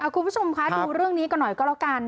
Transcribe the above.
คุณผู้ชมคะดูเรื่องนี้กันหน่อยก็แล้วกัน